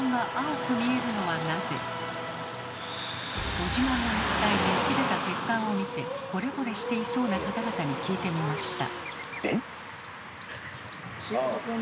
ご自慢の肉体に浮き出た血管を見てほれぼれしていそうな方々に聞いてみました。